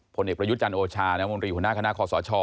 ผลเอกประยุทธ์จันทร์โอชาน้ำมนตรีหัวหน้าคณะคอสช